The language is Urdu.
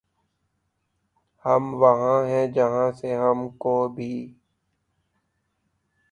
ہم وہاں ہیں جہاں سے ہم کو بھی